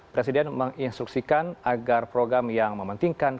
presiden menginstruksikan agar program yang mementingkan